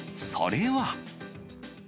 それは。